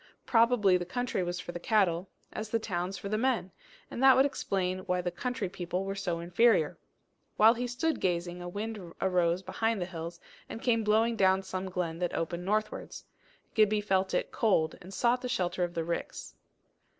Probably the country was for the cattle, as the towns for the men; and that would explain why the country people were so inferior. While he stood gazing, a wind arose behind the hills, and came blowing down some glen that opened northwards; Gibbie felt it cold, and sought the shelter of the ricks.